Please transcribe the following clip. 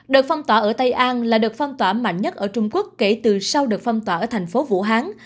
đợt phong tỏa ở tây an là đợt phong tỏa mạnh nhất ở trung quốc kể từ sau đợt phong tỏa ở thành phố vũ hán